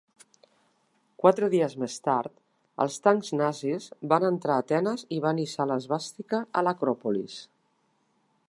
Quatre dies més tard, els tancs nazis van entrar a Atenes i van hissar l'esvàstica a l'Acròpolis.